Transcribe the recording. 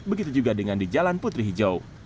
begitu juga dengan di jalan putri hijau